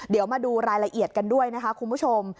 เดี๋ยวมาดูรายละเอียดกันด้วยนะคะคุณผู้ชม